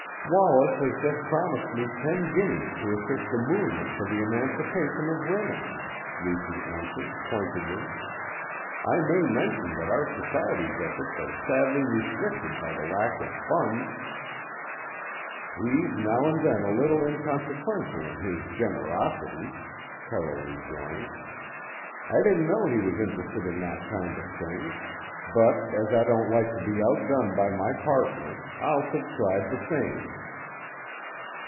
"Wallace has just promised me ten guineas to assist the movement for the emancipation of women," Lucy answered pointedly. "I may mention that our society's efforts are sadly restricted by the lack of funds." "He's now and then a little inconsequential in his generosity," Carroll rejoined. "I didn't know he was interested in that kind of thing, but as I don't like to be outdone by my partner, I'll subscribe the same."